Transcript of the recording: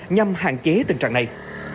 nhằm hạn chế tình trạng này